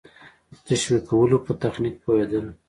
د تشویقولو په تخنیک پوهېدل.